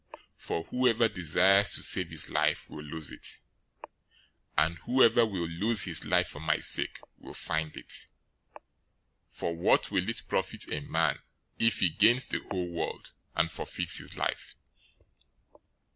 016:025 For whoever desires to save his life will lose it, and whoever will lose his life for my sake will find it. 016:026 For what will it profit a man, if he gains the whole world, and forfeits his life?